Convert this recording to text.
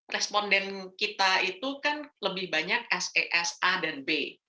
responden kita itu kan lebih banyak ses a dan b